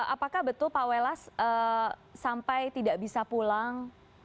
apakah betul pak welas sampai tidak bisa pulang